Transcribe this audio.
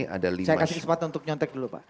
saya kasih kesempatan untuk nyontek dulu pak